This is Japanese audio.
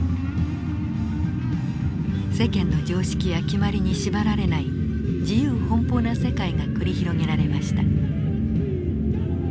世間の常識や決まりに縛られない自由奔放な世界が繰り広げられました。